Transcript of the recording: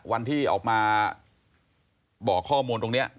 วันที่ออกมาบอกข้อมูลตรงนี้